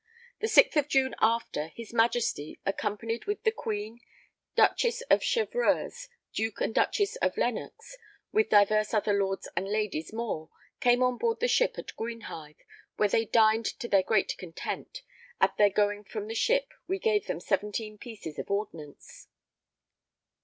The 6th of June after, his Majesty, accompanied with the Queen, Duchess of Chevreuse, Duke and Duchess of Lennox, with divers other lords and ladies more, came on board the ship at Greenhithe, where they dined to their great content. At their going from the ship, we gave them 17 pieces of ordnance.